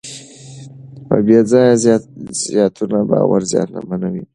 بېځایه زیاتونې باور زیانمنوي.